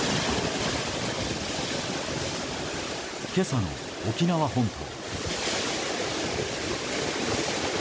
今朝の沖縄本島。